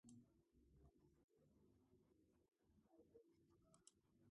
ნაგებობა მთლიანად დანგრეულია.